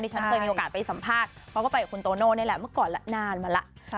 ฉันเคยมีโอกาสไปสัมภาษณ์เขาก็ไปกับคุณโตโน่นี่แหละเมื่อก่อนละนานมาแล้ว